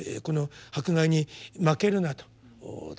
この迫害に負けるなと。